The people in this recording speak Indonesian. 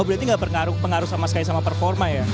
berarti gak berpengaruh sama sekali sama performa ya